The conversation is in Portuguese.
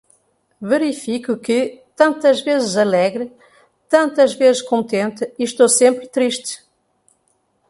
Verifico que, tantas vezes alegre, tantas vezes contente, estou sempre triste.